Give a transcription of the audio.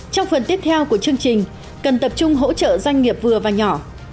trong phần tiếp theo của chương trình cần tập trung hỗ trợ doanh nghiệp vừa và nhỏ